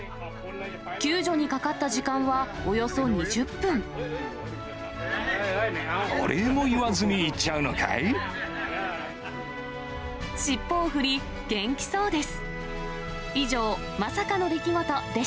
救助にかかった時間はおよそ２０お礼も言わずに行っちゃうの尻尾を振り、元気そうです。